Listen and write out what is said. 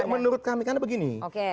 menurut kami karena begini